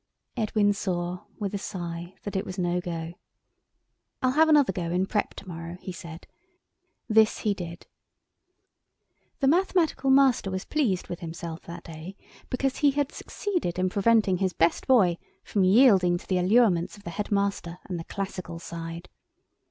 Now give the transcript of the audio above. Edwin saw, with a sigh, that it was no go. "I'll have another go in prep to morrow," he said. This he did. The Mathematical Master was pleased with himself that day because he had succeeded in preventing his best boy from yielding to the allurements of the Head master and the Classical side.